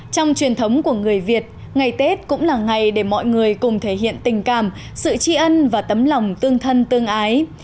trong truyền thống của người việt ngày tết cũng là ngày để mọi người cùng thể hiện tình cảm sự tri ân và tấm lòng tương thân tương ái